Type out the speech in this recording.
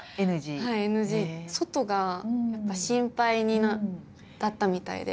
外が心配だったみたいで。